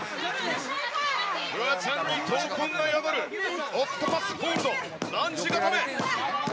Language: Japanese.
フワちゃんに闘魂が宿る、オクトパスホールド、卍固め。